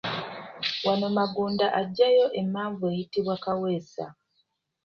Wano Magunda aggyayo emmanvu eyitibwa Kaweesa.